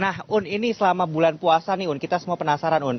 nah un ini selama bulan puasa nih un kita semua penasaran un